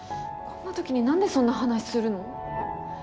こんな時になんでそんな話するの？